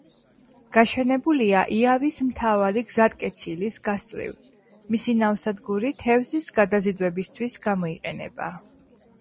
გაშენებულია იავის მთავარი გზატკეცილის გასწვრივ; მისი ნავსადგური თევზის გადაზიდვებისთვის გამოიყენება.